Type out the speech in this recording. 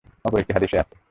অপর একটি হাদীসে আছে।